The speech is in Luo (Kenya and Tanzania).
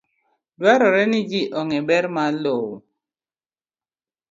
Dwarore ni ji ong'e ber mar lowo.